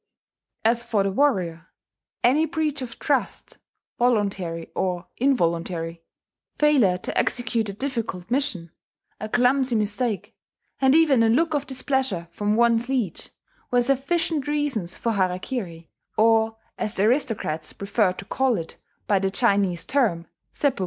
As for the warrior, any breach of trust (voluntary or involuntary), failure to execute a difficult mission, a clumsy mistake, and even a look of displeasure from one's liege, were sufficient reasons for harakiri, or, as the aristocrats preferred to call it, by the Chinese term, seppuku.